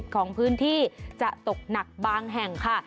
ของพื้นที่จะตกหนักบางแห่งค่ะ